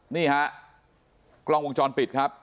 นี่ฮะกล้องวงจรปิดครับ